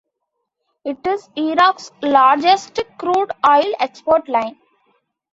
It is Iraq's largest crude oil export line.